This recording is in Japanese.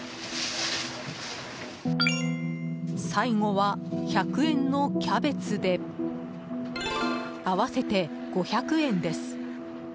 最後は１００円のキャベツで合わせて５００円です。